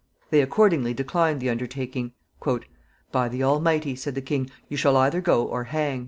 They accordingly declined the undertaking. "By the Almighty," said the king, "you shall either go or hang."